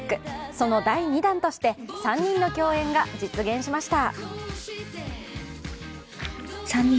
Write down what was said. その第２弾として、３人の共演が実現しました。